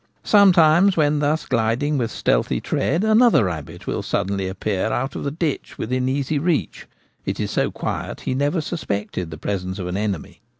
Sometimes, when thus gliding with stealthy tread, another rabbit will suddenly appear out of the ditch within easy reach ; it is so quiet he never suspected the presence of an enemy.